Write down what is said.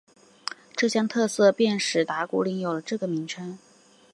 这项特色便使打鼓岭有了这个名称。